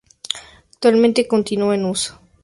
Actualmente continúa en uso.